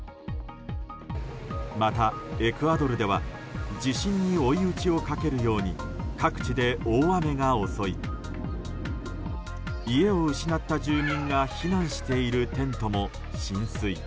また、エクアドルでは地震に追い打ちをかけるように各地で大雨が襲い家を失った住民が避難しているテントも浸水。